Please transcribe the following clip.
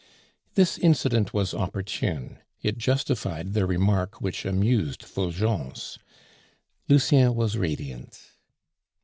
This incident was opportune; it justified the remark which amused Fulgence. Lucien was radiant.